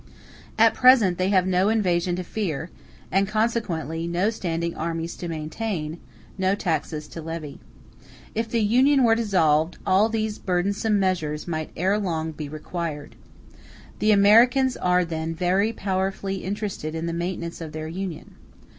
At present they have no invasion to fear, and consequently no standing armies to maintain, no taxes to levy. If the Union were dissolved, all these burdensome measures might ere long be required. The Americans are then very powerfully interested in the maintenance of their Union.